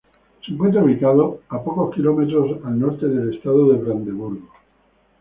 Se encuentra ubicado a pocos kilómetros al norte del estado de Brandeburgo.